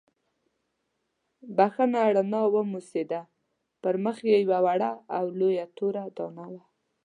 بښنه رڼا وموسېده، پر مخ یې یوه وړه او لویه توره دانه وه.